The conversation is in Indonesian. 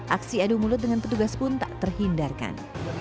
aksi adu mulut dengan petugas pun tak terhindarkan